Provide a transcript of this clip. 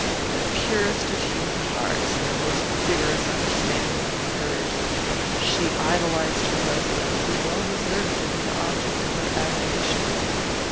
The purest of human hearts and the most vigorous understanding were hers. She idolized her husband, who well deserved to be the object of her adoration.